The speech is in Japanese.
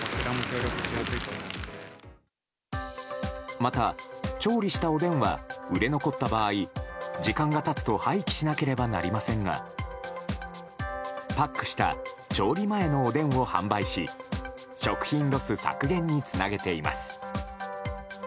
また、調理したおでんは売れ残った場合、時間が経つと廃棄しなければなりませんがパックした調理前のおでんを販売し食品ロス削減につなげています。